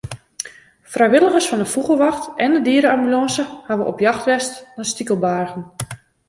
Frijwilligers fan de Fûgelwacht en de diere-ambulânse hawwe op jacht west nei stikelbargen.